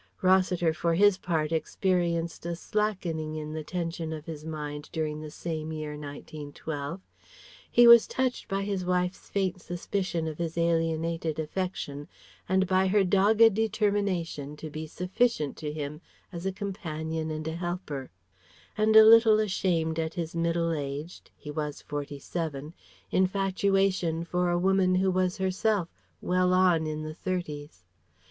Rossiter for his part experienced a slackening in the tension of his mind during the same year 1912. He was touched by his wife's faint suspicion of his alienated affection and by her dogged determination to be sufficient to him as a companion and a helper; and a little ashamed at his middle aged he was forty seven infatuation for a woman who was herself well on in the thirties.